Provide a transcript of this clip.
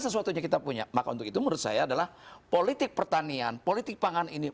sesuatu kita punya makauntuk itu menurut saya adalah politik pertanian politik pangan ini